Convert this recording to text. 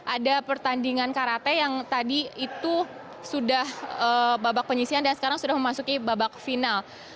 ada pertandingan karate yang tadi itu sudah babak penyisian dan sekarang sudah memasuki babak final